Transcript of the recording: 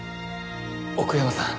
奥山さん。